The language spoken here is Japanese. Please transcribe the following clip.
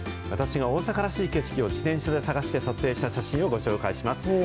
私が大阪らしい景色を自転車で探して撮影した撮影した写真をご紹介します。